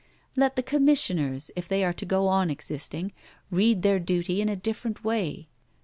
Let the Commissioners, if they are to go on existing, read their duty in a different way.